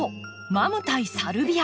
マム対サルビア